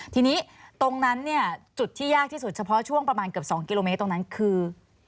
ทีนี้ตรงนั้นเนี่ยจุดที่ยากที่สุดเฉพาะช่วงประมาณเกือบ๒กิโลเมตรตรงนั้นคือ